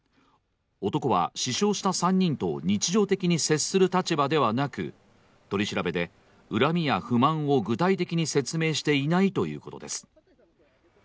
男は死傷した３人と日常的に接する立場ではなく取り調べで、恨みや不満を具体的に説明していないということです。